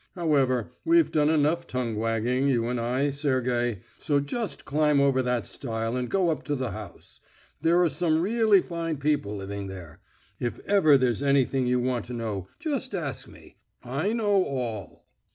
However, we've done enough tongue wagging, you and I, Sergey, so just climb over that stile and go up to the house. There are some really fine people living there.... If ever there's anything you want to know, just ask me; I know all."